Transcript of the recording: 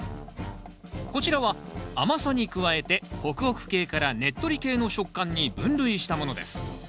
こちらは甘さに加えてホクホク系からねっとり系の食感に分類したものです。